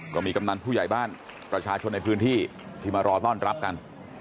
กำนันผู้ใหญ่บ้านประชาชนในพื้นที่ที่มารอต้อนรับกัน